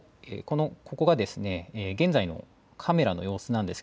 ここが現在のカメラの様子です。